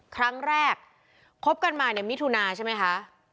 ครั้งแรกคบกันมาเนี่ยมิถุนาใช่ไหมคะ